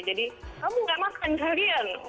jadi kamu gak makan seharian